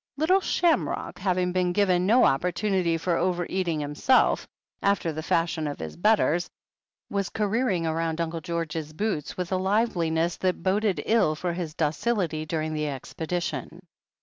Little Shamrock, having been given no opportunity for over eating himself, after the fashion of his betters, was careering round Uncle George's boots with a live liness that boded ill for his docility during the expedi tion.